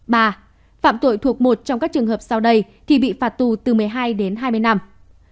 ba phạm tội thuộc một trong các trường hợp sau đây thì bị phạt tù từ một mươi hai đến hai mươi năm